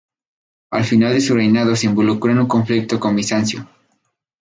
Al final de su reinado se involucró en un conflicto con Bizancio.